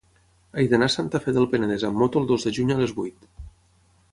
He d'anar a Santa Fe del Penedès amb moto el dos de juny a les vuit.